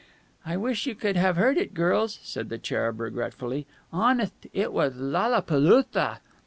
"I wish you could have heard it, girls" said the cherub regretfully. "Honetht, it was lalapalootha!"